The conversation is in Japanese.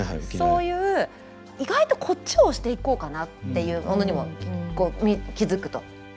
そういう意外とこっちを推していこうかなっていうものにも気付くと。